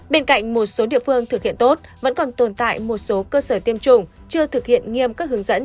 bên cạnh một số địa phương thực hiện tốt vẫn còn tồn tại một số cơ sở tiêm chủng chưa thực hiện nghiêm các hướng dẫn